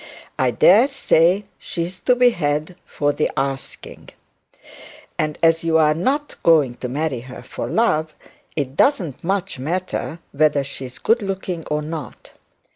I dare say she is to be had for the asking; and as you are not going to marry her for love, it doesn't much matter whether she is good looking or not.